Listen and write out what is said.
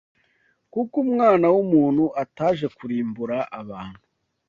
kuko Umwana w’umuntu ataje kurimbura abantu,